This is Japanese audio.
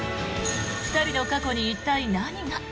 ２人の過去に一体何が？